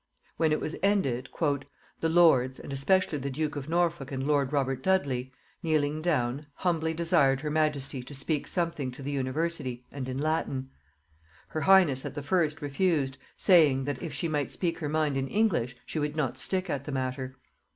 When it was ended, "the lords, and especially the duke of Norfolk and lord Robert Dudley, kneeling down, humbly desired her majesty to speak something to the university, and in Latin. Her highness at the first refused, saying, that if she might speak her mind in English, she would not stick at the matter.